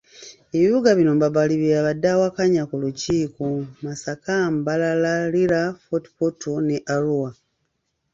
Ebibuga bino Mbabali bye yabadde awakanya kuliko; Masaka, Mbarara, Lira, Fort portal ne Arua.